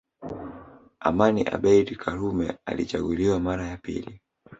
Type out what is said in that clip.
Aman Abeid Krume alichaguliwa mara ya pili